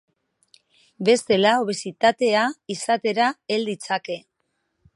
Bestela, obesitatea izatera hel ditzake.